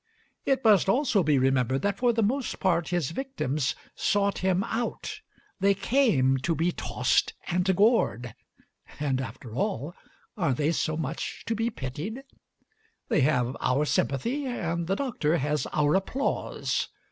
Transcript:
It must also be remembered that for the most part his victims sought him out. They came to be tossed and gored. And after all, are they so much to be pitied? They have our sympathy, and the Doctor has our applause.